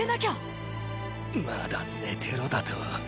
まだ寝てろだと？